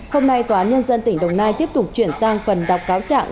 hôm nay tòa án nhân dân tỉnh đồng nai tiếp tục chuyển sang phần đọc cáo trạng